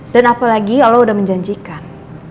dan apalagi allah udah menjanjikan